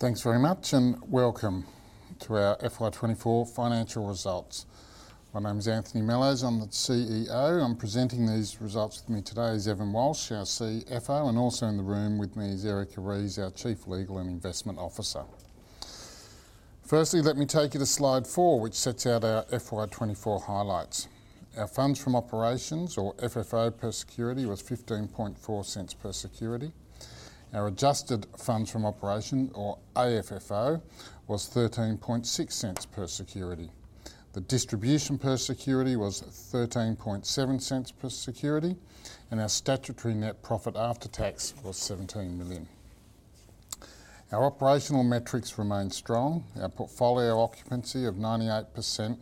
Thanks very much, and welcome to our FY 2024 financial results. My name is Anthony Mellowes, I'm the CEO. I'm presenting these results. With me today is Evan Walsh, our CFO, and also in the room with me is Erica Rees, our Chief Legal and Investment Officer. Firstly, let me take you to slide 4, which sets out our FY 2024 highlights. Our funds from operations, or FFO per security, was 0.154 per security. Our adjusted funds from operation, or AFFO, was 0.136 per security. The distribution per security was 0.137 per security, and our statutory net profit after tax was 17 million. Our operational metrics remained strong. Our portfolio occupancy of 98%,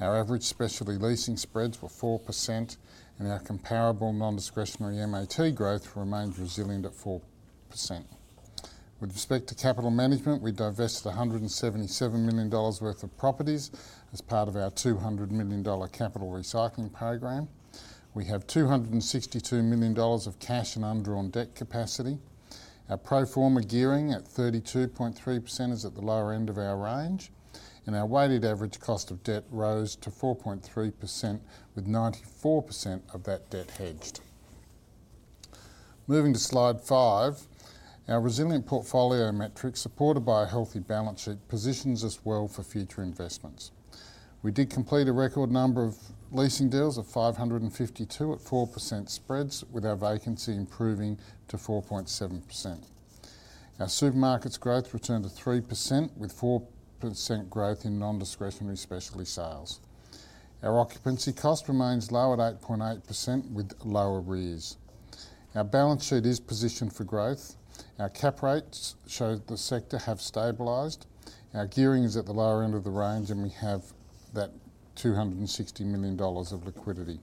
our average specialty leasing spreads were 4%, and our comparable non-discretionary MAT growth remained resilient at 4%. With respect to capital management, we divested 177 million dollars worth of properties as part of our 200 million dollar capital recycling program. We have 262 million dollars of cash and undrawn debt capacity. Our pro forma gearing at 32.3% is at the lower end of our range, and our weighted average cost of debt rose to 4.3%, with 94% of that debt hedged. Moving to slide 5, our resilient portfolio metrics, supported by a healthy balance sheet, positions us well for future investments. We did complete a record number of leasing deals of 552 at 4% spreads, with our vacancy improving to 4.7%. Our supermarkets growth returned to 3%, with 4% growth in non-discretionary specialty sales. Our occupancy cost remains low at 8.8%, with lower arrears. Our balance sheet is positioned for growth. Our cap rates showed the sector have stabilized, our gearing is at the lower end of the range, and we have that 260 million dollars of liquidity.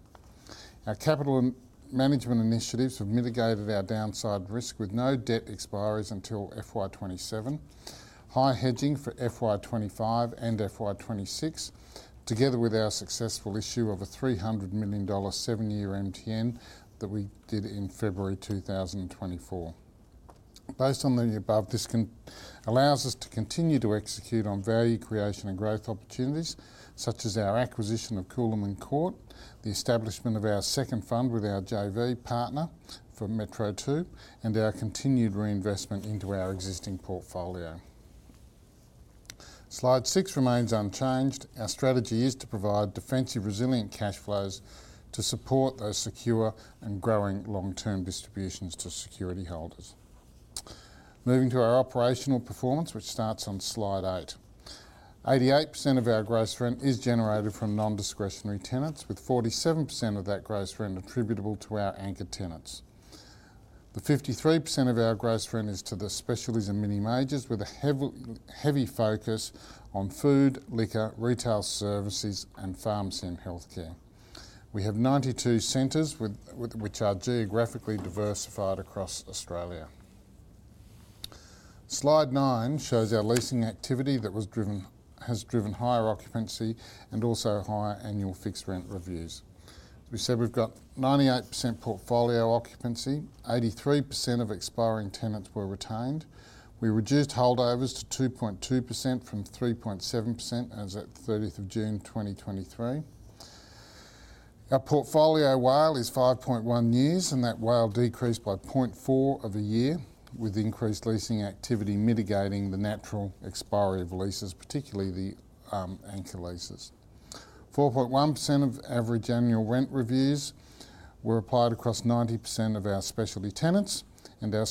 Our capital and management initiatives have mitigated our downside risk, with no debt expiries until FY 2027, high hedging for FY 2025 and FY 2026, together with our successful issue of a 300 million dollar 7-year MTN that we did in February 2024. Based on the above, this allows us to continue to execute on value creation and growth opportunities, such as our acquisition of Cooleman Court, the establishment of our second fund with our JV partner for Metro Fund 2, and our continued reinvestment into our existing portfolio. Slide 6 remains unchanged. Our strategy is to provide defensive, resilient cash flows to support those secure and growing long-term distributions to security holders. Moving to our operational performance, which starts on slide 8. 88% of our gross rent is generated from non-discretionary tenants, with 47% of that gross rent attributable to our anchor tenants. The 53% of our gross rent is to the specialties and mini majors, with a heavy focus on food, liquor, retail services, and pharmacy and healthcare. We have 92 centers which are geographically diversified across Australia. Slide 9 shows our leasing activity that has driven higher occupancy and also higher annual fixed rent reviews. We said we've got 98% portfolio occupancy, 83% of expiring tenants were retained. We reduced holdovers to 2.2% from 3.7% as at 30th of June 2023. Our portfolio WALE is 5.1 years, and that WALE decreased by 0.4 of a year, with increased leasing activity mitigating the natural expiry of leases, particularly the anchor leases. 4.1% of average annual rent reviews were applied across 90% of our specialty tenants, and our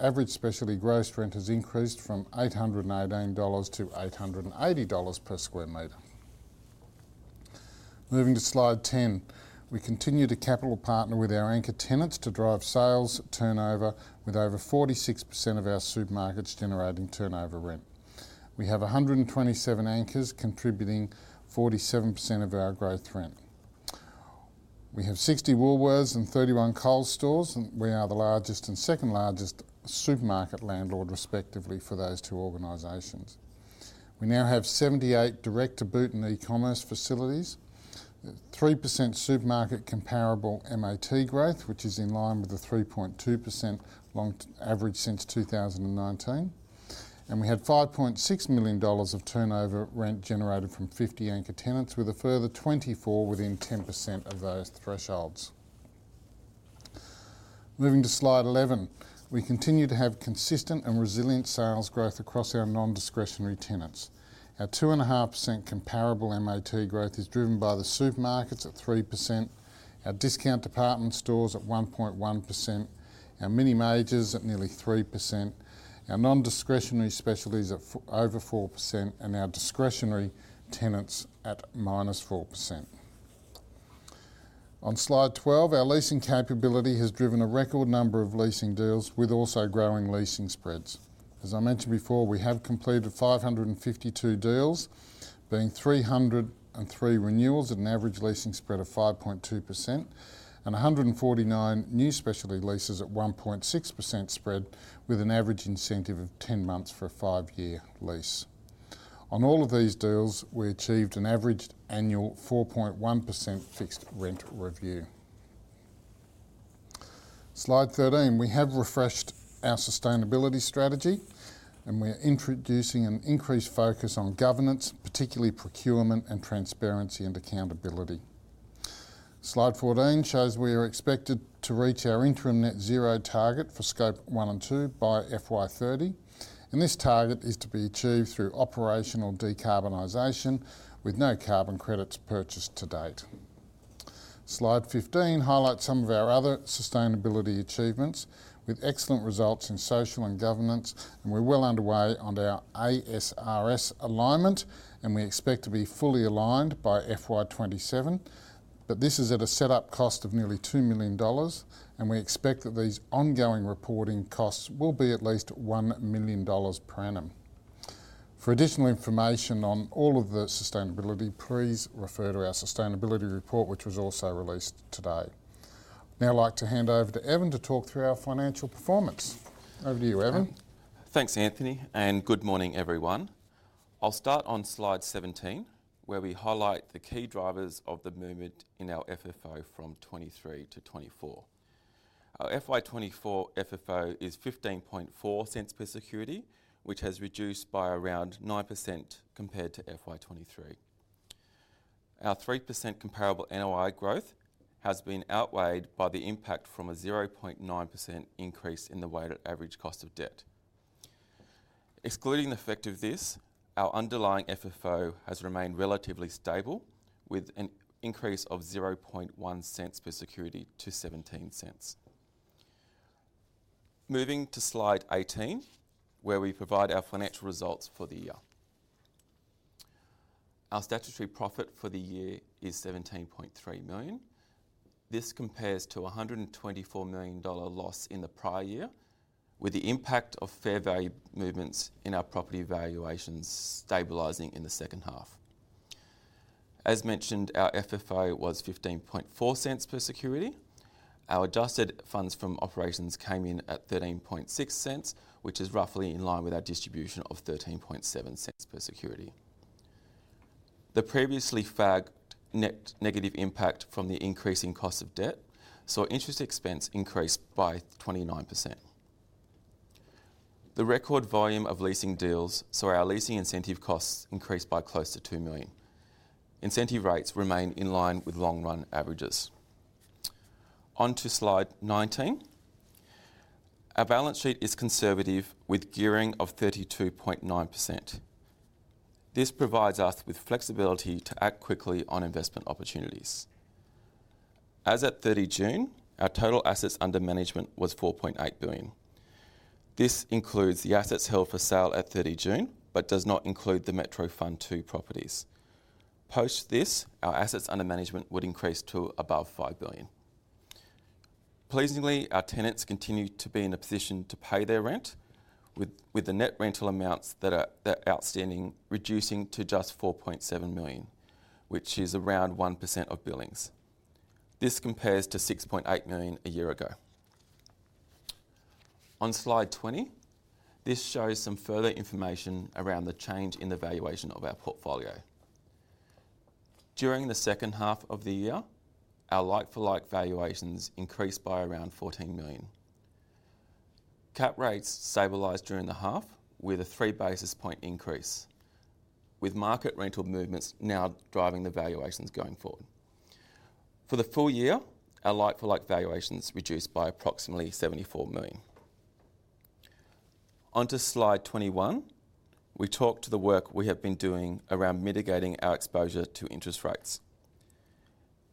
average specialty gross rent has increased from 818 dollars to 880 dollars per square meter. Moving to slide 10. We continue to capital partner with our anchor tenants to drive sales turnover, with over 46% of our supermarkets generating turnover rent. We have 127 anchors, contributing 47% of our gross rent. We have 60 Woolworths and 31 Coles stores, and we are the largest and second largest supermarket landlord, respectively, for those two organizations. We now have 78 Direct to Boot and e-commerce facilities, 3% supermarket comparable MAT growth, which is in line with the 3.2% long average since 2019, and we had 5.6 million dollars of turnover rent generated from 50 anchor tenants, with a further 24 within 10% of those thresholds. Moving to slide 11. We continue to have consistent and resilient sales growth across our non-discretionary tenants. Our 2.5% comparable MAT growth is driven by the supermarkets at 3%, our discount department stores at 1.1%, our mini majors at nearly 3%, our non-discretionary specialties at over 4%, and our discretionary tenants at -4%. On slide 12, our leasing capability has driven a record number of leasing deals with also growing leasing spreads. As I mentioned before, we have completed 552 deals, being 303 renewals at an average leasing spread of 5.2% and 149 new specialty leases at 1.6% spread, with an average incentive of 10 months for a 5-year lease. On all of these deals, we achieved an average annual 4.1% fixed rent review. Slide 13, we have refreshed our sustainability strategy, and we're introducing an increased focus on governance, particularly procurement and transparency and accountability. Slide 14 shows we are expected to reach our interim Net Zero target for Scope 1 and 2 by FY 2030, and this target is to be achieved through operational decarbonization, with no carbon credits purchased to date. Slide 15 highlights some of our other sustainability achievements, with excellent results in social and governance, and we're well underway on our ASRS alignment, and we expect to be fully aligned by FY 2027. But this is at a set-up cost of nearly 2 million dollars, and we expect that these ongoing reporting costs will be at least 1 million dollars per annum. For additional information on all of the sustainability, please refer to our sustainability report, which was also released today. Now, I'd like to hand over to Evan to talk through our financial performance. Over to you, Evan. Thanks, Anthony, and good morning, everyone. I'll start on slide 17, where we highlight the key drivers of the movement in our FFO from 2023 to 2024. Our FY 2024 FFO is 0.154 per security, which has reduced by around 9% compared to FY 2023. Our 3% comparable NOI growth has been outweighed by the impact from a 0.9% increase in the weighted average cost of debt. Excluding the effect of this, our underlying FFO has remained relatively stable, with an increase of 0.001 per security to 0.17. Moving to slide 18, where we provide our financial results for the year. Our statutory profit for the year is 17.3 million. This compares to 124 million dollar loss in the prior year, with the impact of fair value movements in our property valuations stabilizing in the second half. As mentioned, our FFO was 0.154 per security. Our adjusted funds from operations came in at 0.136, which is roughly in line with our distribution of 0.137 per security. The previously flagged net negative impact from the increasing cost of debt, saw interest expense increase by 29%. The record volume of leasing deals saw our leasing incentive costs increase by close to 2 million. Incentive rates remain in line with long-run averages. On to slide 19. Our balance sheet is conservative, with gearing of 32.9%. This provides us with flexibility to act quickly on investment opportunities. As at 30 June, our total assets under management was 4.8 billion. This includes the assets held for sale at 30 June, but does not include the Metro Fund 2 properties. Post this, our assets under management would increase to above 5 billion. Pleasingly, our tenants continue to be in a position to pay their rent, with the net rental amounts that are outstanding reducing to just 4.7 million, which is around 1% of billings. This compares to 6.8 million a year ago. On slide 20, this shows some further information around the change in the valuation of our portfolio. During the second half of the year, our like-for-like valuations increased by around 14 million. Cap rates stabilized during the half, with a 3 basis point increase, with market rental movements now driving the valuations going forward. For the full year, our like-for-like valuations reduced by approximately 74 million. On to slide 21, we talk to the work we have been doing around mitigating our exposure to interest rates.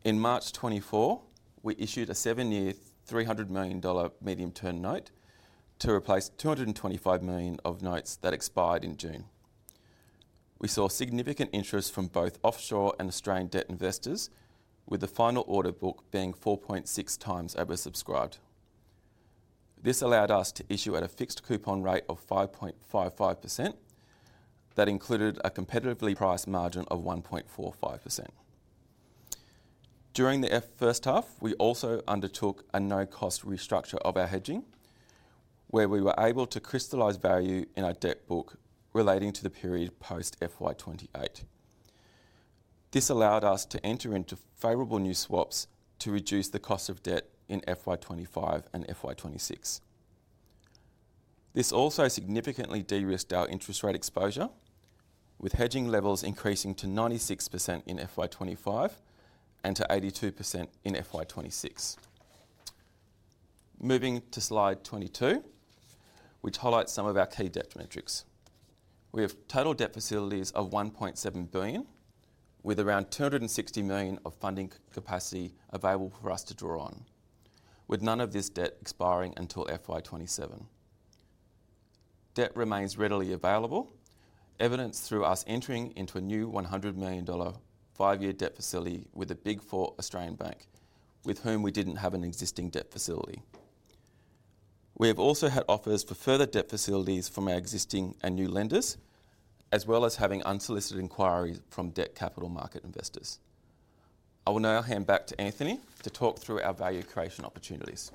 In March 2024, we issued a 7-year, 300 million dollar medium-term note to replace 225 million of notes that expired in June. We saw significant interest from both offshore and Australian debt investors, with the final order book being 4.6 times oversubscribed. This allowed us to issue at a fixed coupon rate of 5.55%. That included a competitively priced margin of 1.45%. During the first half, we also undertook a no-cost restructure of our hedging, where we were able to crystallize value in our debt book relating to the period post FY 2028. This allowed us to enter into favorable new swaps to reduce the cost of debt in FY 2025 and FY 2026. This also significantly de-risked our interest rate exposure, with hedging levels increasing to 96% in FY 2025 and to 82% in FY 2026. Moving to slide 22, which highlights some of our key debt metrics. We have total debt facilities of 1.7 billion, with around 260 million of funding capacity available for us to draw on, with none of this debt expiring until FY 2027. Debt remains readily available, evidenced through us entering into a new 100 million dollar five-year debt facility with a big four Australian bank, with whom we didn't have an existing debt facility. We have also had offers for further debt facilities from our existing and new lenders, as well as having unsolicited inquiries from debt capital market investors. I will now hand back to Anthony to talk through our value creation opportunities....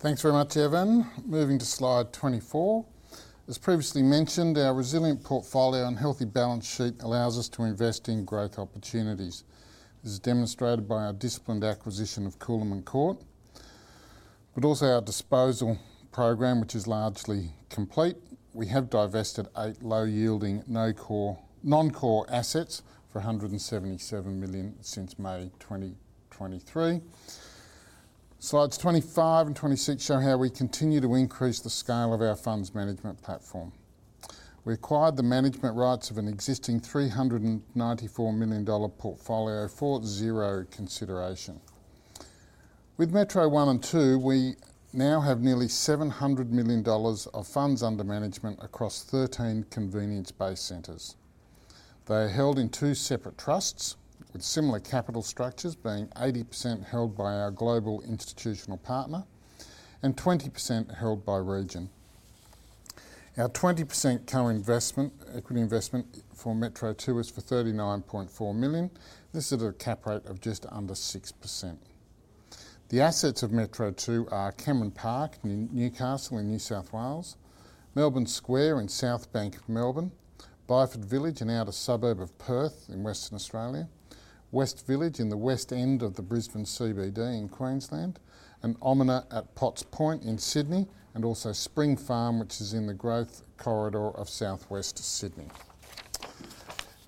Thanks very much, Evan. Moving to slide 24. As previously mentioned, our resilient portfolio and healthy balance sheet allows us to invest in growth opportunities. This is demonstrated by our disciplined acquisition of Cooleman Court, but also our disposal program, which is largely complete. We have divested 8 low-yielding, non-core assets for 177 million since May 2023. Slides 25 and 26 show how we continue to increase the scale of our funds management platform. We acquired the management rights of an existing 394 million dollar portfolio for zero consideration. With Metro One and Two, we now have nearly 700 million dollars of funds under management across 13 convenience-based centers. They are held in two separate trusts, with similar capital structures being 80% held by our global institutional partner and 20% held by Region. Our 20% co-investment, equity investment for Metro Fund 2 is for 39.4 million. This is at a cap rate of just under 6%. The assets of Metro Fund 2 are Cameron Park in Newcastle, in New South Wales. Melbourne Square in Southbank, Melbourne. Byford Village, an outer suburb of Perth in Western Australia. West Village in the West End of the Brisbane CBD in Queensland, and Omnia at Potts Point in Sydney, and also Spring Farm, which is in the growth corridor of Southwest Sydney.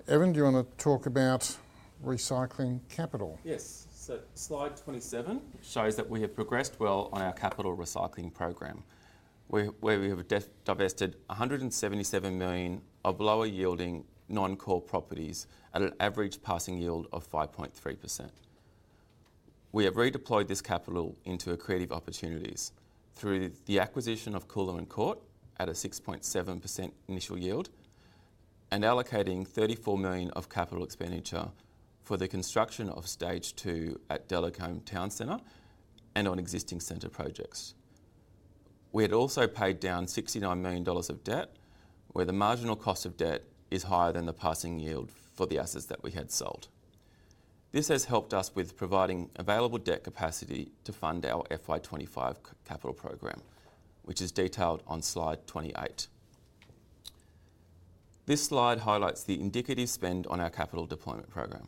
Evan, do you want to talk about recycling capital? Yes. So slide 27 shows that we have progressed well on our capital recycling program, where we have divested 177 million of lower-yielding, non-core properties at an average passing yield of 5.3%. We have redeployed this capital into accretive opportunities through the acquisition of Cooleman Court at a 6.7% initial yield, and allocating 34 million of capital expenditure for the construction of stage 2 at Delacombe Town Centre and on existing center projects. We had also paid down 69 million dollars of debt, where the marginal cost of debt is higher than the passing yield for the assets that we had sold. This has helped us with providing available debt capacity to fund our FY 2025 capital program, which is detailed on slide 28. This slide highlights the indicative spend on our capital deployment program.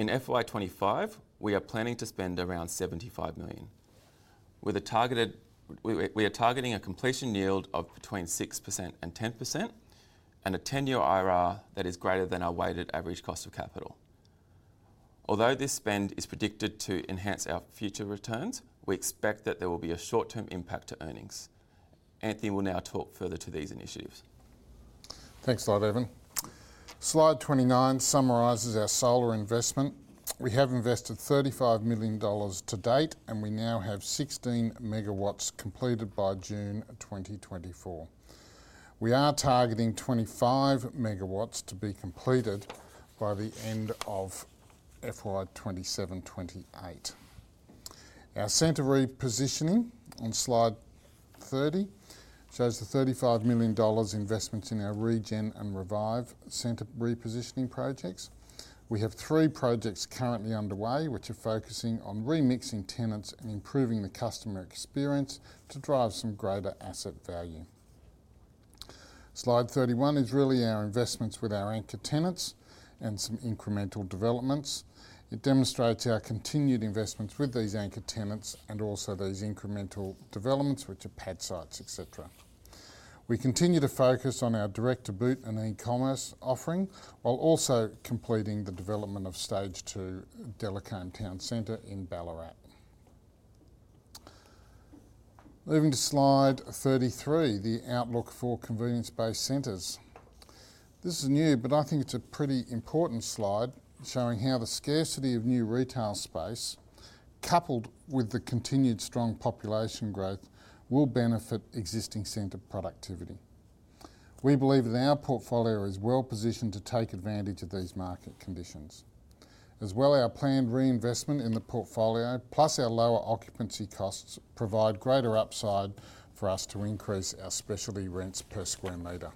In FY 2025, we are planning to spend around 75 million, with a targeted... We are targeting a completion yield of between 6% and 10% and a 10-year IRR that is greater than our weighted average cost of capital. Although this spend is predicted to enhance our future returns, we expect that there will be a short-term impact to earnings. Anthony will now talk further to these initiatives. Thanks a lot, Evan. Slide 29 summarizes our solar investment. We have invested 35 million dollars to date, and we now have 16 MW completed by June 2024. We are targeting 25 MW to be completed by the end of FY 2027 to FY 2028. Our center repositioning on slide 30 shows the AUD 35 million investments in our ReGen and Revive center repositioning projects. We have three projects currently underway, which are focusing on remixing tenants and improving the customer experience to drive some greater asset value. Slide 31 is really our investments with our anchor tenants and some incremental developments. It demonstrates our continued investments with these anchor tenants and also those incremental developments, which are pad sites, et cetera. We continue to focus on our Direct-to-boot and e-commerce offering, while also completing the development of stage 2, Delacombe Town Centre in Ballarat. Moving to slide 33, the outlook for convenience-based centers. This is new, but I think it's a pretty important slide, showing how the scarcity of new retail space, coupled with the continued strong population growth, will benefit existing center productivity. We believe that our portfolio is well-positioned to take advantage of these market conditions. As well, our planned reinvestment in the portfolio, plus our lower occupancy costs, provide greater upside for us to increase our specialty rents per square meter.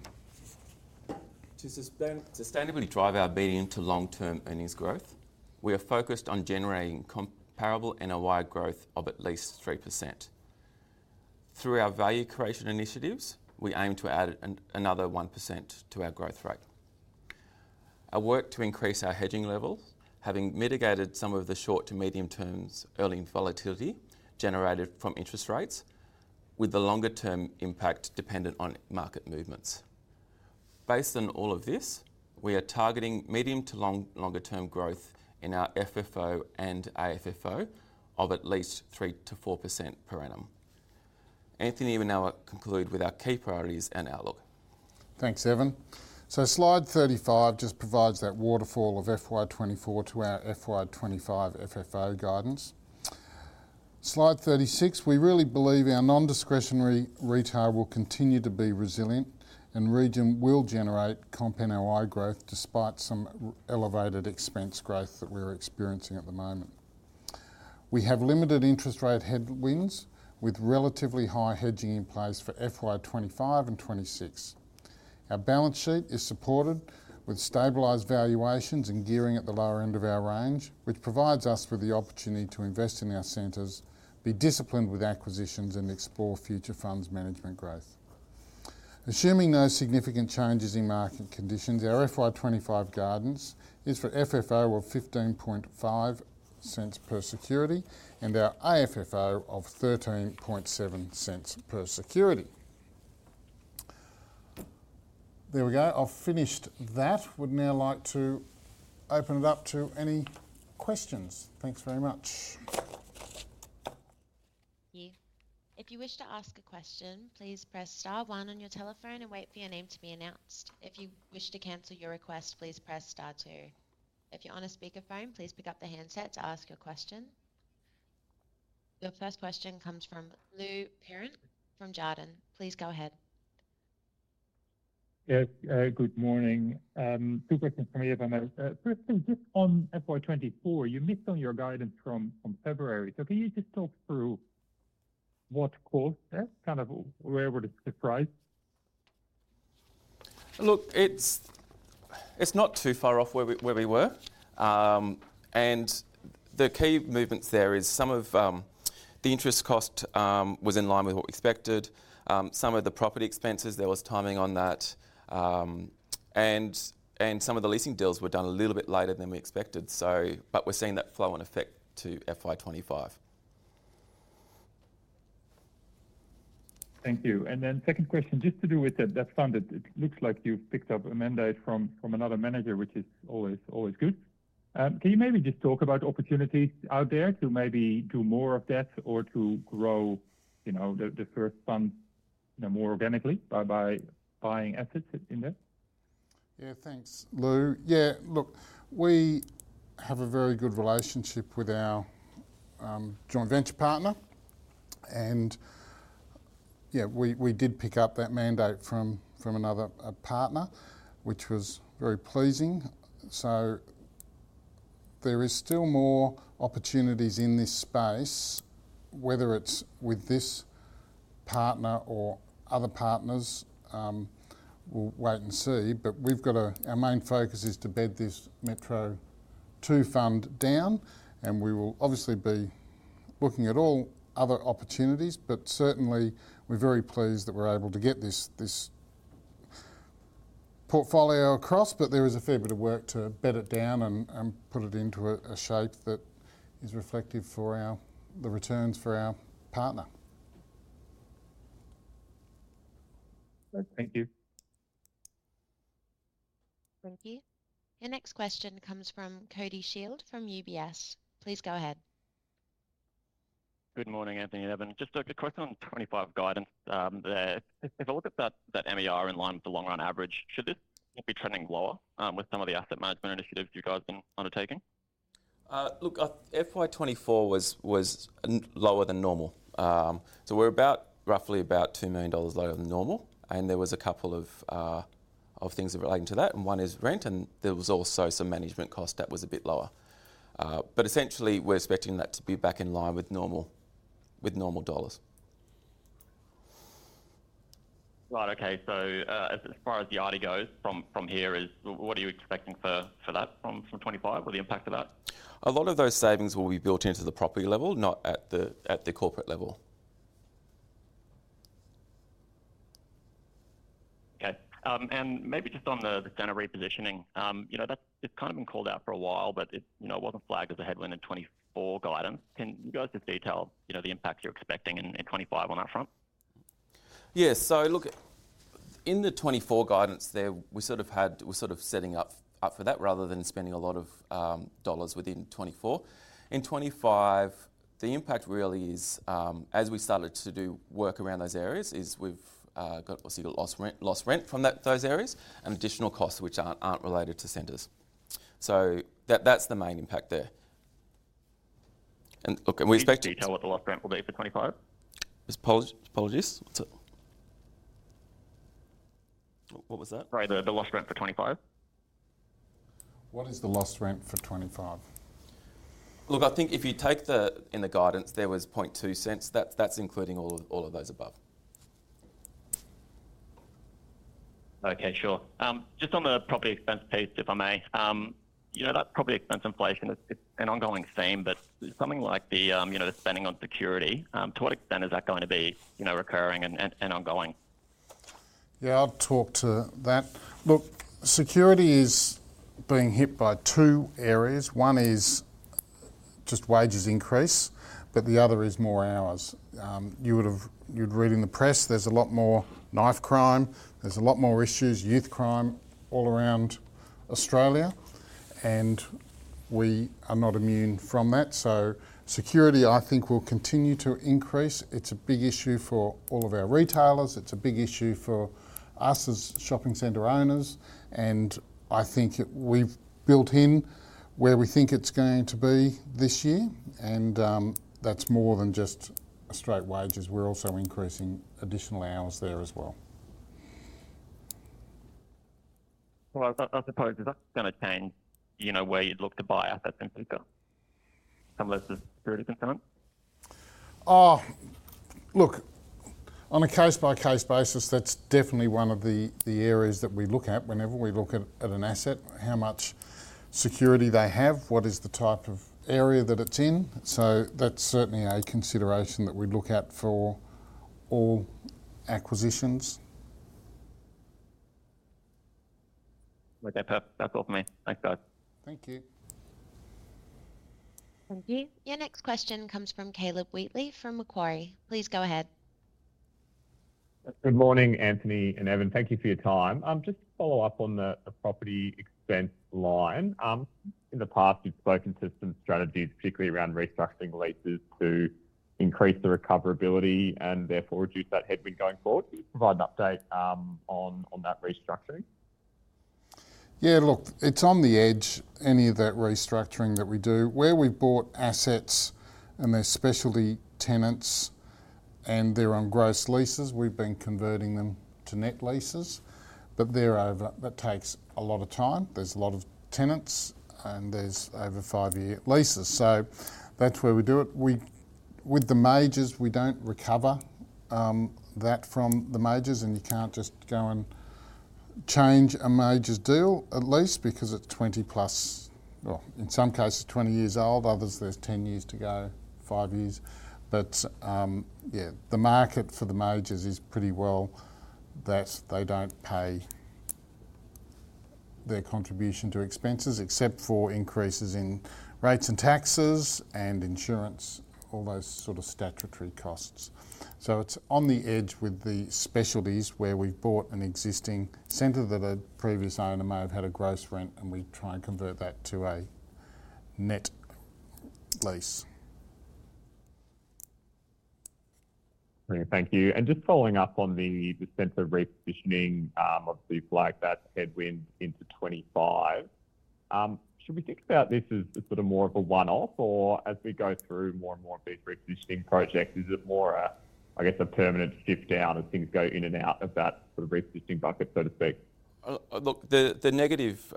To sustainably drive our medium to long-term earnings growth, we are focused on generating comparable and a wide growth of at least 3%. Through our value creation initiatives, we aim to add another 1% to our growth rate. Our work to increase our hedging levels, having mitigated some of the short to medium term's early volatility generated from interest rates, with the longer term impact dependent on market movements. Based on all of this, we are targeting medium to long, longer term growth in our FFO and AFFO of at least 3%-4% per annum. Anthony will now conclude with our key priorities and outlook. Thanks, Evan. So slide 35 just provides that waterfall of FY 2024 to our FY 2025 FFO guidance. Slide 36, we really believe our non-discretionary retail will continue to be resilient, and Region will generate comp NOI growth, despite some elevated expense growth that we're experiencing at the moment. We have limited interest rate headwinds, with relatively high hedging in place for FY 2025 and 2026. Our balance sheet is supported with stabilized valuations and gearing at the lower end of our range, which provides us with the opportunity to invest in our centers, be disciplined with acquisitions, and explore future funds management growth. Assuming no significant changes in market conditions, our FY 2025 guidance is for FFO of 0.155 per security and our AFFO of 0.137 per security. There we go. I've finished that. Would now like to open it up to any questions. Thanks very much. Thank you. If you wish to ask a question, please press star one on your telephone and wait for your name to be announced. If you wish to cancel your request, please press star two. If you're on a speakerphone, please pick up the handset to ask your question. Your first question comes from Lou Pirenc from Jarden. Please go ahead. Yes, good morning. Two questions for me, if I may. Firstly, just on FY 2024, you missed on your guidance from, from February. So can you just talk through what caused that? Kind of where were the surprise? Look, it's not too far off where we were. And the key movements there is some of the interest cost was in line with what we expected. Some of the property expenses, there was timing on that. And some of the leasing deals were done a little bit later than we expected, so... But we're seeing that flow on effect to FY 25. Thank you. Then second question, just to do with that fund. It looks like you've picked up a mandate from another manager, which is always good. Can you maybe just talk about opportunities out there to maybe do more of that or to grow, you know, the first fund, you know, more organically by buying assets in there? Yeah, thanks, Lou. Yeah, look, we have a very good relationship with our joint venture partner, and, yeah, we, we did pick up that mandate from, from another partner, which was very pleasing. So there is still more opportunities in this space, whether it's with this partner or other partners, we'll wait and see, but we've got our main focus is to bed this Metro Two fund down, and we will obviously be looking at all other opportunities, but certainly we're very pleased that we're able to get this, this portfolio across. But there is a fair bit of work to bed it down and, and put it into a, a shape that is reflective for our, the returns for our partner. Thank you. Thank you. Your next question comes from Cody Shield from UBS. Please go ahead. Good morning, Anthony and Evan. Just a question on 25 guidance, there. If I look at that MER in line with the long-run average, should this not be trending lower, with some of the asset management initiatives you guys been undertaking? Look, FY 2024 was not lower than normal. So we're about roughly about 2 million dollars lower than normal, and there was a couple of things relating to that, and one is rent, and there was also some management cost that was a bit lower. But essentially, we're expecting that to be back in line with normal, with normal dollars. Right. Okay. So, as far as the ID goes from here, what are you expecting for that from 25 or the impact of that? A lot of those savings will be built into the property level, not at the corporate level. Okay, and maybe just on the center repositioning, you know, that's... It's kind of been called out for a while, but it, you know, wasn't flagged as a headline in 2024 guidance. Can you guys just detail, you know, the impact you're expecting in 2025 on that front? Yes. So look, in the 2024 guidance there, we sort of had we're sort of setting up for that, rather than spending a lot of AUD within 2024. In 2025, the impact really is, as we started to do work around those areas, is we've got obviously lost rent from those areas, and additional costs, which aren't related to centers. So that's the main impact there. And look, and we expect- Can you tell what the lost rent will be for 2025? Just apologies. What's it... What was that? Sorry, the lost rent for 25. What is the lost rent for 25? Look, I think if you take the, in the guidance, there was 0.002. That's, that's including all, all of those above. Okay, sure. Just on the property expense piece, if I may. You know, that property expense inflation is an ongoing theme, but something like the, you know, the spending on security, to what extent is that going to be, you know, recurring and ongoing? Yeah, I'll talk to that. Look, security is being hit by two areas. One is just wages increase, but the other is more hours. You would have... You'd read in the press there's a lot more knife crime, there's a lot more issues, youth crime all around Australia, and we are not immune from that. So security, I think, will continue to increase. It's a big issue for all of our retailers, it's a big issue for us as shopping center owners, and I think we've built in where we think it's going to be this year, and that's more than just a straight wages. We're also increasing additional hours there as well.... Well, I, I suppose, is that going to change, you know, where you'd look to buy assets and pick up some of those security concerns? Oh, look, on a case-by-case basis, that's definitely one of the areas that we look at whenever we look at an asset: how much security they have, what is the type of area that it's in. So that's certainly a consideration that we look at for all acquisitions. Okay, perfect. That's all from me. Thanks, guys. Thank you. Thank you. Your next question comes from Caleb Wheatley, from Macquarie. Please go ahead. Good morning, Anthony and Evan. Thank you for your time. Just to follow up on the property expense line. In the past, you've spoken to some strategies, particularly around restructuring leases to increase the recoverability and therefore reduce that headwind going forward. Can you provide an update on that restructuring? Yeah, look, it's on the edge, any of that restructuring that we do. Where we've bought assets and there's specialty tenants and they're on gross leases, we've been converting them to net leases, but they're over. That takes a lot of time. There's a lot of tenants, and there's over 5-year leases, so that's where we do it. With the majors, we don't recover that from the majors, and you can't just go and change a major's deal, at least because it's 20+... Well, in some cases, 20 years old, others there's 10 years to go, 5 years. But, yeah, the market for the majors is pretty well that they don't pay their contribution to expenses, except for increases in rates and taxes and insurance, all those sort of statutory costs. It's on the edge with the specialties, where we've bought an existing center that a previous owner may have had a gross rent, and we try and convert that to a net lease. Thank you. Just following up on the center repositioning of the flag, that headwind into 2025, should we think about this as sort of more of a one-off, or as we go through more and more of these repositioning projects, is it more a, I guess, a permanent shift down as things go in and out of that sort of repositioning bucket, so to speak? Look, the negative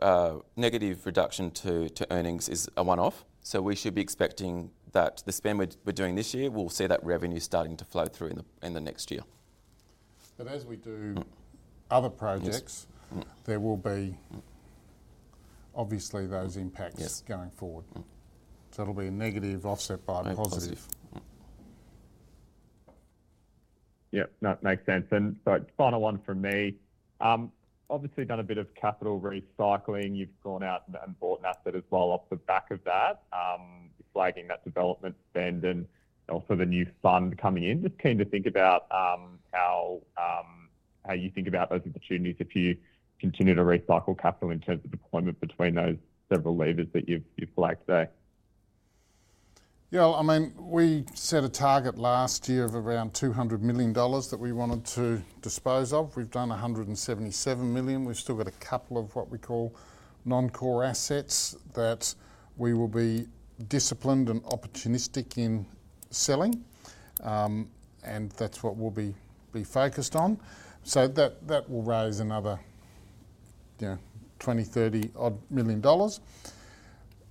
reduction to earnings is a one-off, so we should be expecting that the spend we're doing this year, we'll see that revenue starting to flow through in the next year. But as we do other projects- Yes... there will be obviously those impacts- Yes going forward. So it'll be a negative offset by the positive. A positive. Yep, no, makes sense. And so final one from me. Obviously done a bit of capital recycling. You've gone out and bought an asset as well off the back of that, flagging that development spend and also the new fund coming in. Just keen to think about how you think about those opportunities if you continue to recycle capital in terms of deployment between those several levers that you've flagged there. Yeah, I mean, we set a target last year of around 200 million dollars that we wanted to dispose of. We've done 177 million. We've still got a couple of what we call non-core assets that we will be disciplined and opportunistic in selling. And that's what we'll be focused on. So that will raise another, you know, 20-30 million dollars.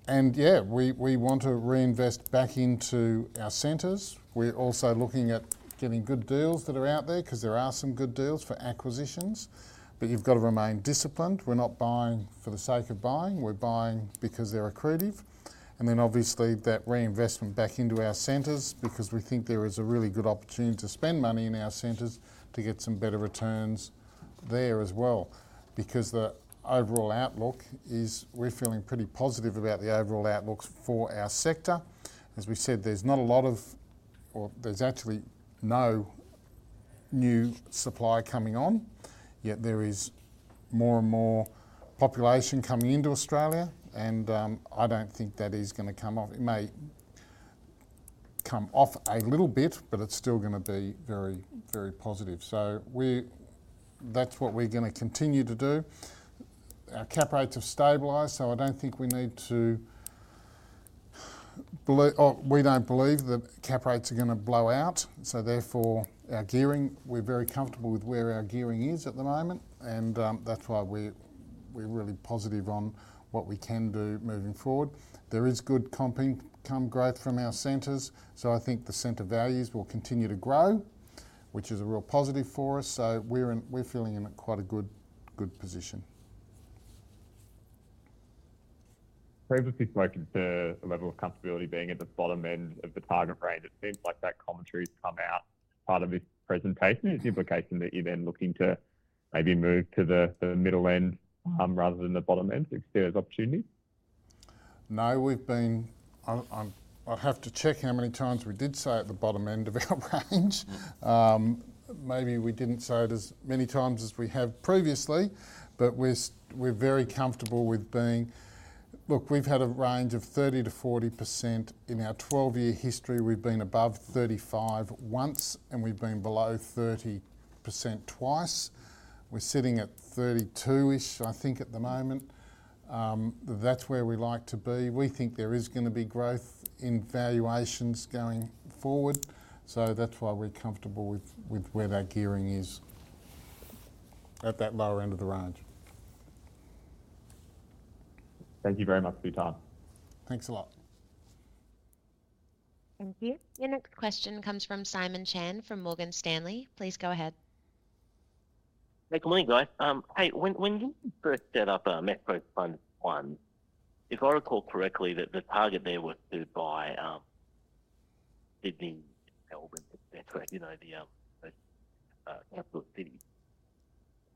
And yeah, we want to reinvest back into our centers. We're also looking at getting good deals that are out there because there are some good deals for acquisitions, but you've got to remain disciplined. We're not buying for the sake of buying. We're buying because they're accretive. And then obviously, that reinvestment back into our centers, because we think there is a really good opportunity to spend money in our centers to get some better returns there as well. Because the overall outlook is, we're feeling pretty positive about the overall outlook for our sector. As we said, there's not a lot of, or there's actually no new supply coming on, yet there is more and more population coming into Australia, and, I don't think that is going to come off. It may come off a little bit, but it's still going to be very, very positive. So that's what we're going to continue to do. Our cap rates have stabilized, so I don't think we need to blow... We don't believe that cap rates are going to blow out, so therefore, our gearing, we're very comfortable with where our gearing is at the moment, and, that's why we're, we're really positive on what we can do moving forward. There is good income growth from our centers, so I think the center values will continue to grow, which is a real positive for us. So we're in, we're feeling in quite a good, good position. Previously spoken to the level of comfortability being at the bottom end of the target range. It seems like that commentary's come out as part of this presentation. Is the implication that you're then looking to maybe move to the middle end, rather than the bottom end, if there's opportunity? No, we've been... I'm, I'd have to check how many times we did say at the bottom end of our range. Maybe we didn't say it as many times as we have previously, but we're very comfortable with being... Look, we've had a range of 30%-40%. In our 12-year history, we've been above 35 once, and we've been below 30% twice. We're sitting at 32-ish, I think, at the moment... that's where we like to be. We think there is gonna be growth in valuations going forward, so that's why we're comfortable with where that gearing is, at that lower end of the range. Thank you very much for your time. Thanks a lot. Thank you. Your next question comes from Simon Chan, from Morgan Stanley. Please go ahead. Hey, good morning, guys. Hey, when, when you first set up Metro Fund 1, if I recall correctly, that the target there was to buy Sydney, Melbourne, et cetera, you know, the capital cities.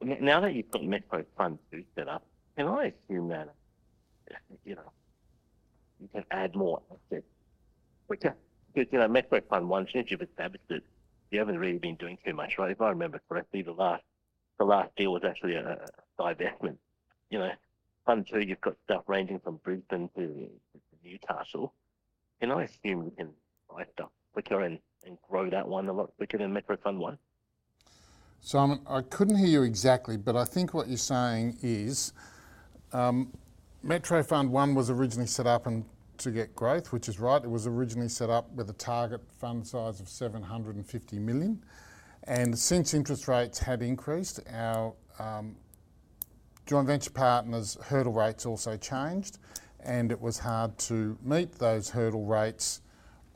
Now that you've got Metro Fund 2 set up, can I assume that, you know, you can add more assets? Which... 'cause, you know, Metro Fund 1, since you've established it, you haven't really been doing too much, right? If I remember correctly, the last, the last deal was actually a divestment. You know, Fund 2, you've got stuff ranging from Brisbane to Newcastle. Can I assume you can buy stuff quicker and grow that one a lot quicker than Metro Fund 1? Simon, I couldn't hear you exactly, but I think what you're saying is, Metro Fund One was originally set up and to get growth, which is right. It was originally set up with a target fund size of 750 million, and since interest rates have increased, our joint venture partner's hurdle rates also changed, and it was hard to meet those hurdle rates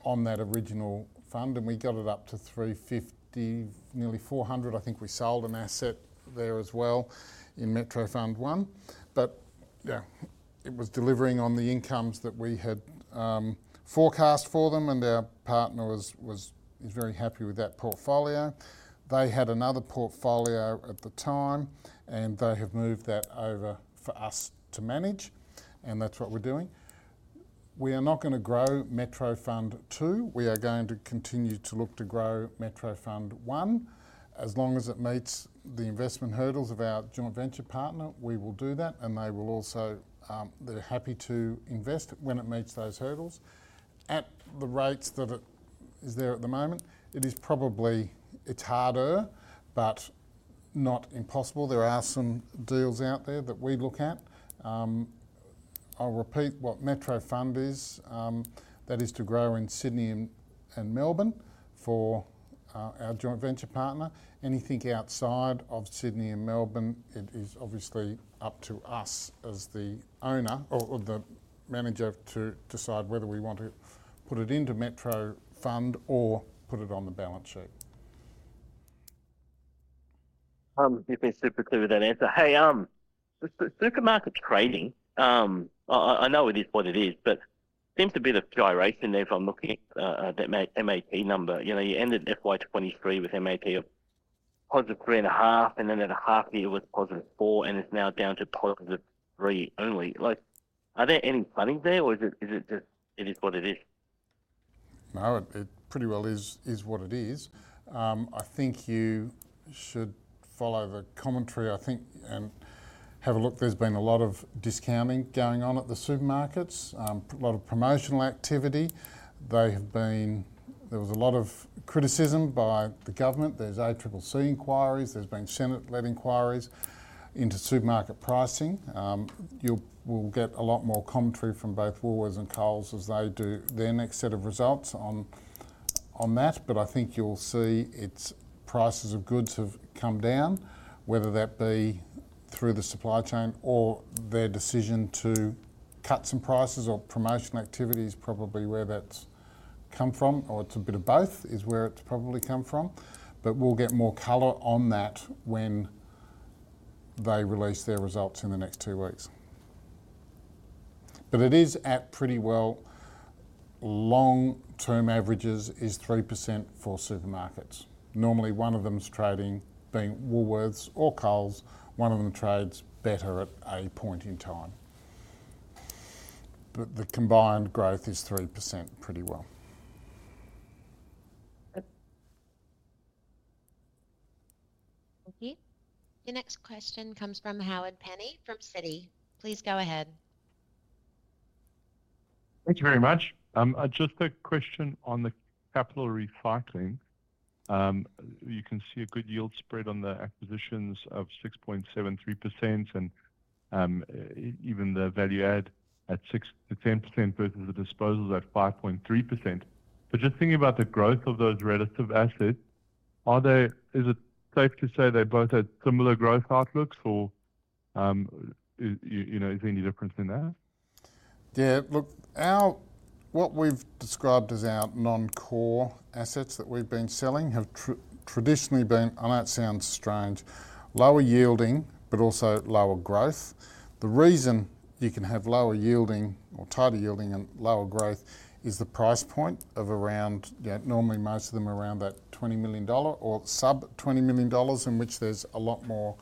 on that original fund, and we got it up to 350, nearly 400. I think we sold an asset there as well in Metro Fund One. But yeah, it was delivering on the incomes that we had forecast for them, and our partner was – he's very happy with that portfolio. They had another portfolio at the time, and they have moved that over for us to manage, and that's what we're doing. We are not gonna grow Metro Fund 2. We are going to continue to look to grow Metro Fund 1. As long as it meets the investment hurdles of our joint venture partner, we will do that, and they will also, they're happy to invest when it meets those hurdles. At the rates that it is there at the moment, it is probably. It's harder, but not impossible. There are some deals out there that we look at. I'll repeat what Metro Fund is, that is to grow in Sydney and Melbourne for our joint venture partner. Anything outside of Sydney and Melbourne, it is obviously up to us as the owner or the manager, to decide whether we want to put it into Metro Fund or put it on the balance sheet. You've been super clear with that answer. Hey, supermarket's trading, I know it is what it is, but seems a bit of gyration there if I'm looking at the MAT number. You know, you ended FY 2023 with MAT of +3.5, and then at a half year, it was +4, and it's now down to +3 only. Like, are there any planning there, or is it just it is what it is? No, it pretty well is what it is. I think you should follow the commentary, I think, and have a look. There's been a lot of discounting going on at the supermarkets, a lot of promotional activity. They have been... There was a lot of criticism by the government. There's ACCC inquiries, there's been Senate-led inquiries into supermarket pricing. You'll-- we'll get a lot more commentary from both Woolworths and Coles as they do their next set of results on that. But I think you'll see its prices of goods have come down, whether that be through the supply chain or their decision to cut some prices or promotional activity is probably where that's come from, or it's a bit of both, is where it's probably come from. We'll get more color on that when they release their results in the next two weeks. It is at pretty well long-term averages, is 3% for supermarkets. Normally, one of them is trading, being Woolworths or Coles, one of them trades better at a point in time. The combined growth is 3% pretty well. Yep. Thank you. Your next question comes from Howard Penny from Citi. Please go ahead. Thank you very much. Just a question on the capital recycling. You can see a good yield spread on the acquisitions of 6.73% and even the value add at 6%-10% versus the disposals at 5.3%. But just thinking about the growth of those relative assets, is it safe to say they both have similar growth outlooks, or you know, is there any difference in that? Yeah, look, our... What we've described as our non-core assets that we've been selling have traditionally been, I know it sounds strange, lower yielding, but also lower growth. The reason you can have lower yielding or tighter yielding and lower growth is the price point of around, yeah, normally most of them around that 20 million dollar or sub 20 million dollars, in which there's a lot more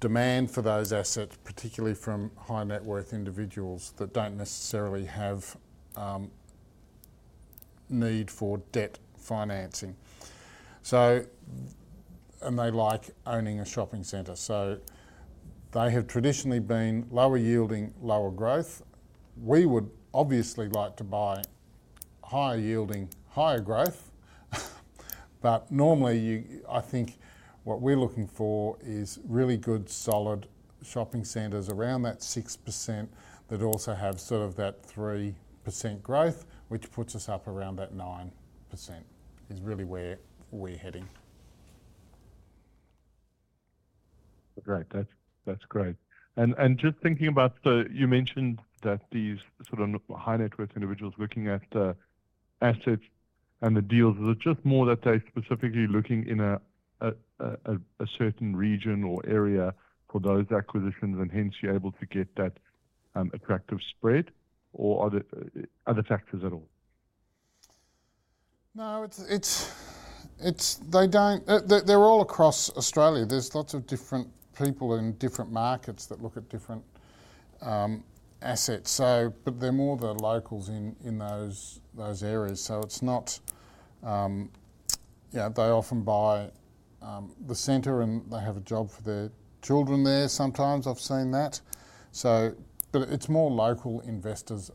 demand for those assets, particularly from high-net-worth individuals that don't necessarily have need for debt financing. So, and they like owning a shopping center, so they have traditionally been lower yielding, lower growth. We would obviously like to buy higher yielding, higher growth-... But normally, you, I think what we're looking for is really good, solid shopping centers around that 6%, that also have sort of that 3% growth, which puts us up around that 9%, is really where we're heading. Great. That's, that's great. And just thinking about the, you mentioned that these sort of high-net-worth individuals looking at assets and the deals, is it just more that they're specifically looking in a certain region or area for those acquisitions, and hence you're able to get that attractive spread, or are there other factors at all? No, it's... They don't—they're all across Australia. There's lots of different people in different markets that look at different assets. So, but they're more the locals in those areas. So it's not... Yeah, they often buy the center, and they have a job for their children there sometimes. I've seen that. So, but it's more local investors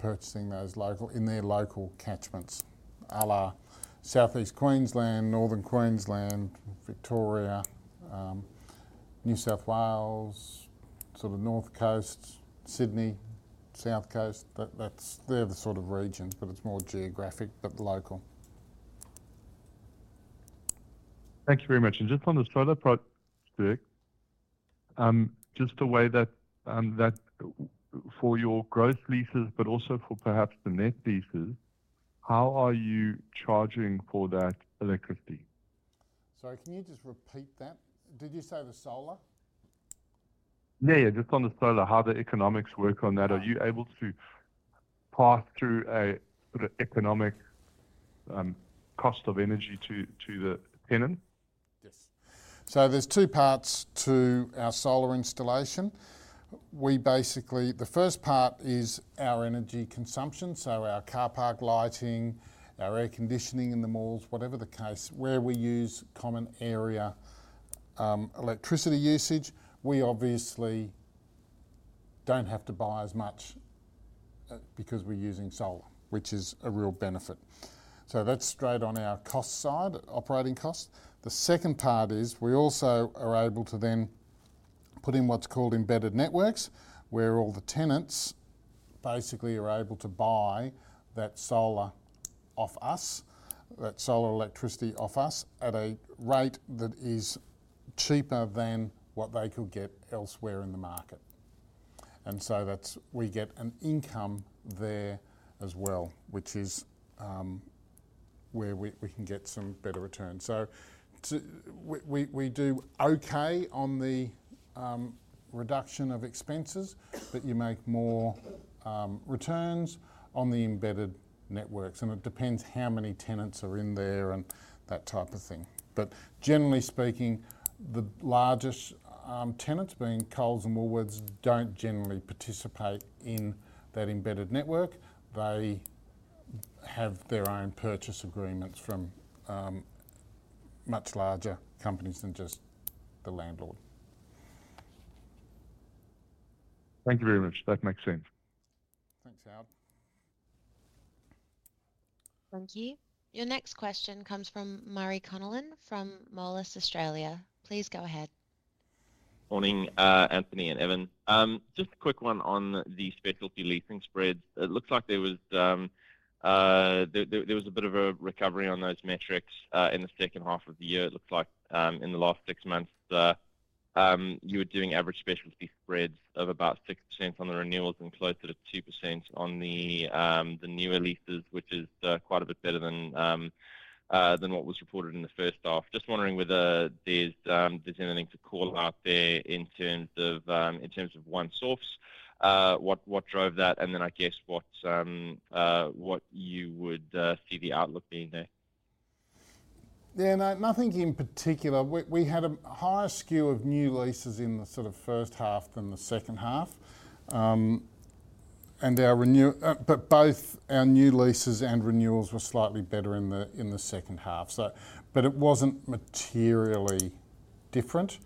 purchasing those local in their local catchments, à la Southeast Queensland, Northern Queensland, Victoria, New South Wales, sort of North Coast, Sydney, South Coast. That's—they're the sort of regions, but it's more geographic than local. Thank you very much. Just on the solar project, just the way that for your growth leases, but also for perhaps the net leases, how are you charging for that electricity? Sorry, can you just repeat that? Did you say the solar? Yeah, yeah, just on the solar, how the economics work on that? Right... are you able to pass through a sort of economic cost of energy to the tenant? Yes. So there's two parts to our solar installation. We basically, the first part is our energy consumption, so our car park lighting, our air conditioning in the malls, whatever the case, where we use common area electricity usage, we obviously don't have to buy as much because we're using solar, which is a real benefit. So that's straight on our cost side, operating cost. The second part is, we also are able to then put in what's called embedded networks, where all the tenants basically are able to buy that solar off us, that solar electricity off us, at a rate that is cheaper than what they could get elsewhere in the market. And so that's where we get an income there as well, which is where we can get some better returns. So we do okay on the reduction of expenses, but you make more returns on the embedded networks, and it depends how many tenants are in there and that type of thing. But generally speaking, the largest tenants, being Coles and Woolworths, don't generally participate in that embedded network. They have their own purchase agreements from much larger companies than just the landlord. Thank you very much. That makes sense. Thanks, Howard. Thank you. Your next question comes from Murray Connellan from Moelis Australia. Please go ahead. Morning, Anthony and Evan. Just a quick one on the specialty leasing spreads. It looks like there was a bit of a recovery on those metrics in the second half of the year. It looks like in the last six months you were doing average specialty spreads of about 6% on the renewals and closer to 2% on the newer leases, which is quite a bit better than what was reported in the first half. Just wondering whether there's anything to call out there in terms of one source what drove that, and then I guess what you would see the outlook being there? Yeah, no, nothing in particular. We had a higher skew of new leases in the sort of first half than the second half. And both our new leases and renewals were slightly better in the second half, so. But it wasn't materially different,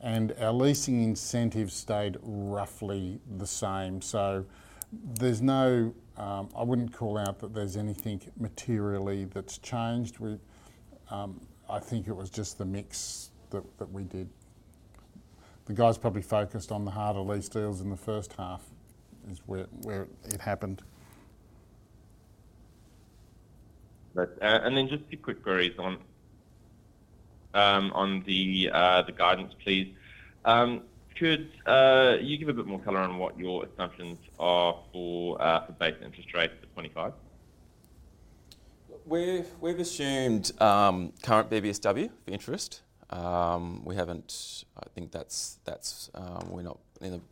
and our leasing incentives stayed roughly the same. So there's no, I wouldn't call out that there's anything materially that's changed with. I think it was just the mix that we did. The guys probably focused on the harder lease deals in the first half, is where it happened. Right. And then just a few quick queries on the guidance, please. Could you give a bit more color on what your assumptions are for the base interest rate for 2025? We've assumed current BBSW interest. We haven't... I think that's we're not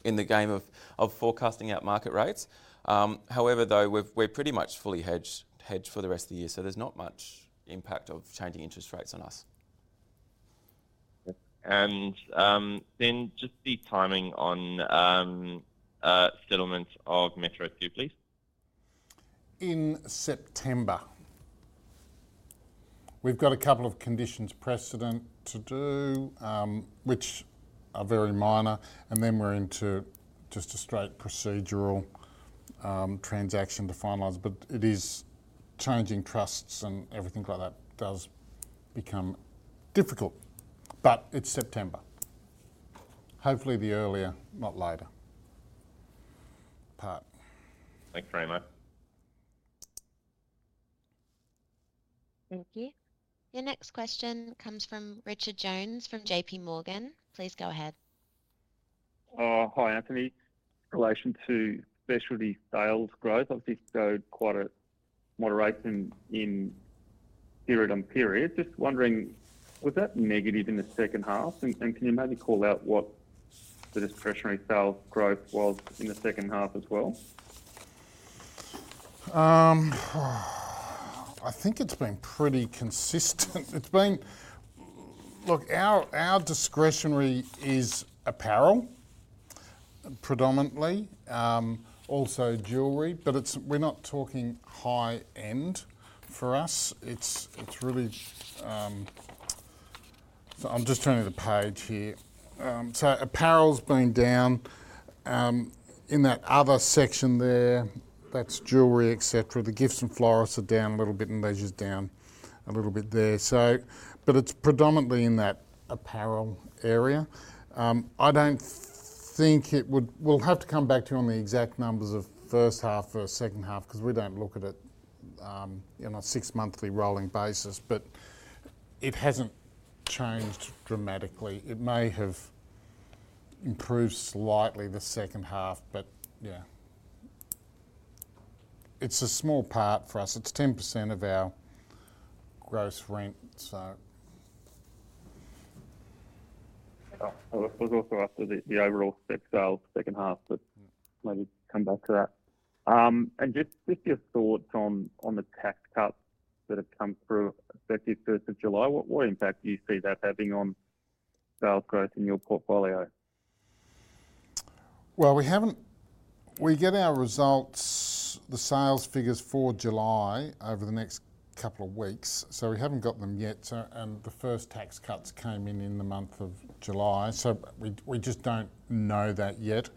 in the game of forecasting out market rates. However, though, we're pretty much fully hedged for the rest of the year, so there's not much impact of changing interest rates on us. Then, just the timing on settlement of Metro 2, please. In September. We've got a couple of conditions precedent to do, which are very minor, and then we're into just a straight procedural transaction to finalize, but it is changing trusts and everything like that does become difficult. But it's September, hopefully the earlier, not later, part. Thanks very much. Thank you. The next question comes from Richard Jones from JPMorgan. Please go ahead. Hi, Anthony. In relation to specialty sales growth, obviously showed quite a moderation in period-on-period. Just wondering, was that negative in the second half? And, and can you maybe call out what the discretionary sales growth was in the second half as well? I think it's been pretty consistent. It's been—Look, our discretionary is apparel, predominantly, also jewelry, but it's—we're not talking high-end for us. It's, it's really... I'm just turning the page here. So apparel's been down. In that other section there, that's jewelry, et cetera. The gifts and florists are down a little bit, and leisure's down a little bit there. So, but it's predominantly in that apparel area. I don't think it would—We'll have to come back to you on the exact numbers of first half or second half, 'cause we don't look at it, in a six-monthly rolling basis, but it hasn't changed dramatically. It may have improved slightly the second half, but yeah. It's a small part for us. It's 10% of our gross rent, so... Yeah. I was also after the overall spec sales second half, but maybe come back to that. And just your thoughts on the tax cuts that have come through effective first of July, what impact do you see that having on sales growth in your portfolio? Well, we get our results, the sales figures for July, over the next couple of weeks, so we haven't got them yet. So, and the first tax cuts came in, in the month of July, so we just don't know that yet.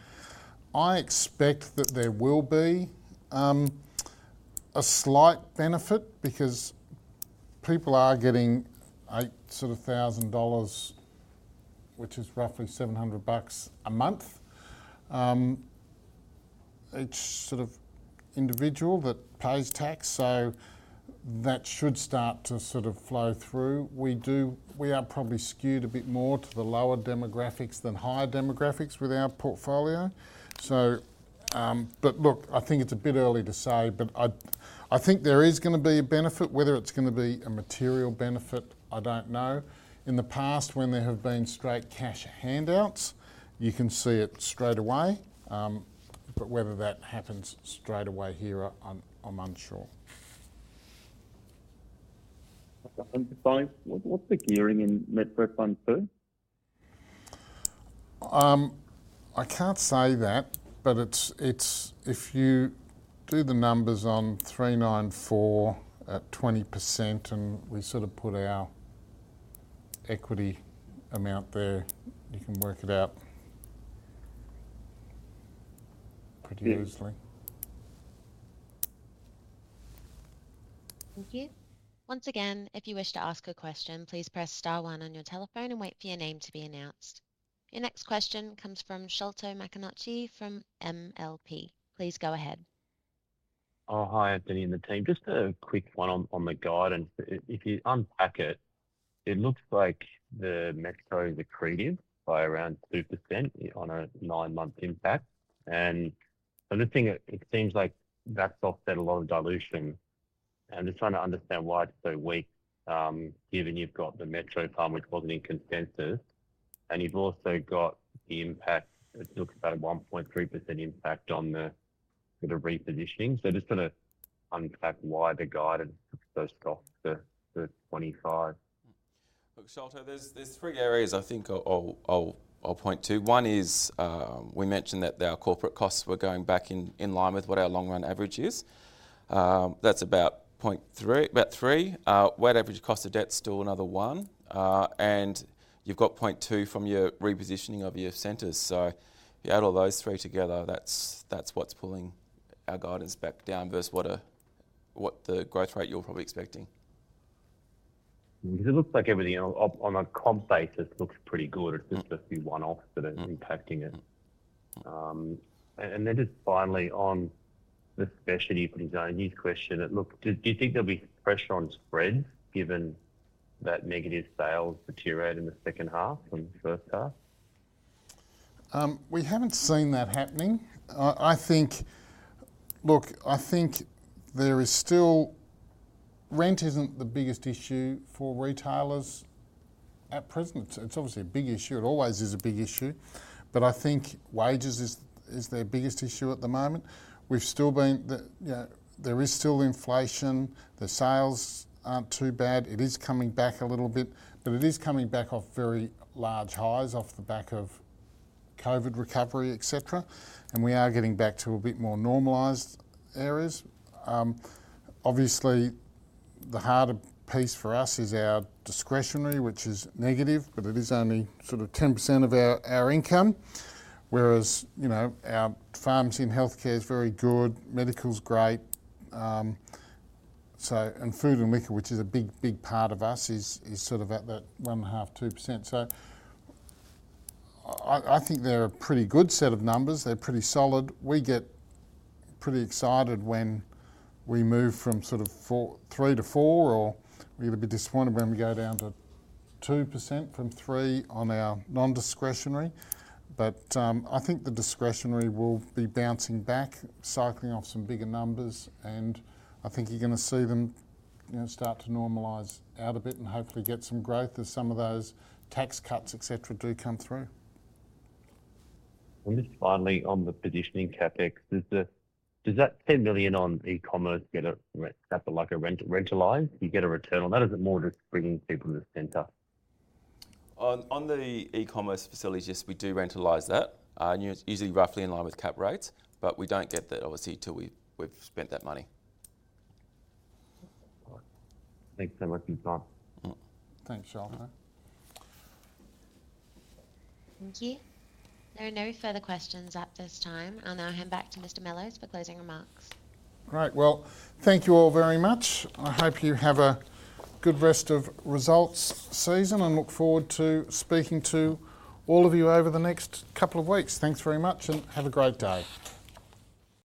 I expect that there will be a slight benefit because people are getting sort of 8,000 dollars, which is roughly 700 bucks a month. Each sort of individual that pays tax, so that should start to sort of flow through. We are probably skewed a bit more to the lower demographics than higher demographics with our portfolio. So, but look, I think it's a bit early to say, but I think there is gonna be a benefit. Whether it's gonna be a material benefit, I don't know. In the past, when there have been straight cash handouts, you can see it straight away, but whether that happens straight away here, I'm unsure. To find, what's the gearing in Metro Fund 2? I can't say that, but it's if you do the numbers on 394 at 20%, and we sort of put our equity amount there, you can work it out pretty loosely. Thank you. Once again, if you wish to ask a question, please press star one on your telephone and wait for your name to be announced. Your next question comes from Sholto Maconochie from MLP. Please go ahead. Oh, hi, Anthony and the team. Just a quick one on the guidance. If you unpack it, it looks like the Metros accreted by around 2% on a nine-month impact. And another thing, it seems like that's offset a lot of dilution. And just trying to understand why it's so weak, given you've got the Metro part, which wasn't in consensus, and you've also got the impact, it looks about 1.3% impact on the repositioning. So just to unpack why the guidance took those costs to 25? Look, Sholto, there's three areas I think I'll point to. One is, we mentioned that our corporate costs were going back in line with what our long-run average is. That's about 0.3-- about 3. Our weighted average cost of debt is still another one. And you've got 0.2 from your repositioning of your centers. So you add all those three together, that's what's pulling our guidance back down versus what the growth rate you're probably expecting. It looks like everything on a comp basis looks pretty good. Mm-hmm. It's just, just the one-off that is impacting it. And then just finally on the specialty design, you questioned it. Look, do you think there'll be pressure on spreads given that negative sales deteriorated in the second half from the first half? We haven't seen that happening. I think... Look, I think there is still, rent isn't the biggest issue for retailers at present. It's obviously a big issue. It always is a big issue, but I think wages is their biggest issue at the moment. There is still inflation. The sales aren't too bad. It is coming back a little bit, but it is coming back off very large highs, off the back of COVID recovery, et cetera, and we are getting back to a bit more normalized areas. Obviously, the harder piece for us is our discretionary, which is negative, but it is only sort of 10% of our, our income, whereas, you know, our pharmacy and healthcare is very good, medical's great, so, and food and liquor, which is a big, big part of us, is, is sort of at that 1.5%-2%. So I, I think they're a pretty good set of numbers. They're pretty solid. We get pretty excited when we move from sort of 4, 3 to 4, or we get a bit disappointed when we go down to 2% from 3 on our non-discretionary. I think the discretionary will be bouncing back, cycling off some bigger numbers, and I think you're gonna see them, you know, start to normalize out a bit and hopefully get some growth as some of those tax cuts, et cetera, do come through. Just finally, on the positioning CapEx, does that 10 million on e-commerce get a, like a rent, rentalized? Do you get a return on that, or is it more just bringing people to the center? On the e-commerce facilities, yes, we do rentalize that. Usually roughly in line with cap rates, but we don't get that obviously until we've spent that money. All right. Thanks so much, you guys. Mm-hmm. Thanks, Sholto. Thank you. There are no further questions at this time. I'll now hand back to Mr. Mellowes for closing remarks. Great. Well, thank you all very much. I hope you have a good rest of results season, and look forward to speaking to all of you over the next couple of weeks. Thanks very much, and have a great day.